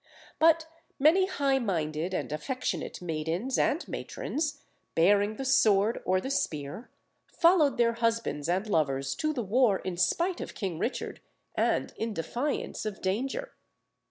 But many high minded and affectionate maidens and matrons, bearing the sword or the spear, followed their husbands and lovers to the war in spite of King Richard, and in defiance of danger.